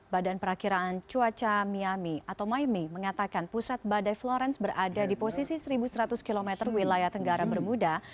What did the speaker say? badan perakiraan cuaca miami atau mymi mengatakan pusat badai florence berada di posisi satu seratus km wilayah tenggara bermuda